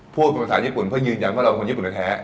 พูดเป็นภาษาญี่ปุ่นเพื่อยืนยันว่าเราเป็นคนญี่ปุ่นแท้